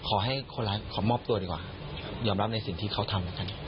ขอให้คนร้ายขอมอบตัวดีกว่ายอมรับในสิ่งที่เขาทำแล้วกัน